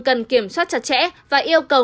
cần kiểm soát chặt chẽ và yêu cầu